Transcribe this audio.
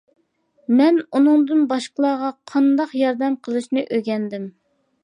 مەن ئۇنىڭدىن باشقىلارغا قانداق ياردەم قىلىشنى ئۆگەندىم.